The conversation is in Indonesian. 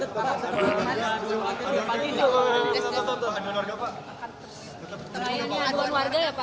selain aduan warga ya pak